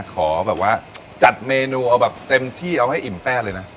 ขอแบบว่าจัดเมนูเอาแบบเต็มที่เอาให้อิ่มแป้เลยนะ